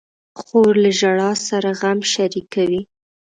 خور له ژړا سره غم شریکوي.